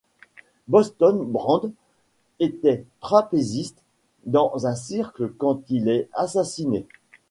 Boston Brand était trapéziste dans un cirque quand il est assassiné.